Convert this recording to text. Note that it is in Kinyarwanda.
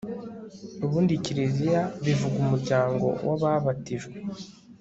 ubundi kiliziya bivuga umuryango w'ababatijwe